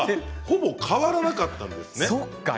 ほぼ変わらなかったんです。